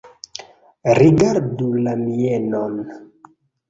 Rigardu la mienon!